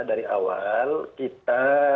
dari awal kita